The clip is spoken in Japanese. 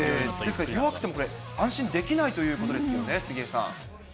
弱くても安心できないということですよね、杉江さん。